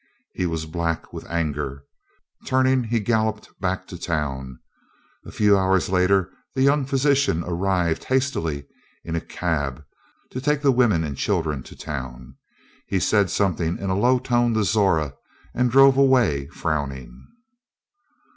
He was black with anger; turning he galloped back to town. A few hours later the young physician arrived hastily in a cab to take the women and children to town. He said something in a low tone to Zora and drove away, frowning.